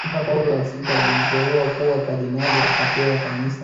Papa Paulo wa sita alimteua kuwa kardinali akapewa kanisa